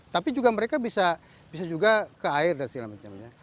tapi mereka juga bisa ke air dan sebagainya